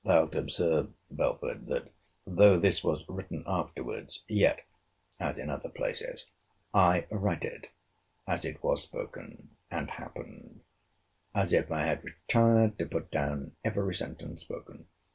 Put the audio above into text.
Thou'lt observe, Belford, that though this was written afterwards, yet, (as in other places,) I write it as it was spoken and happened, as if I had retired to put down every sentence spoken.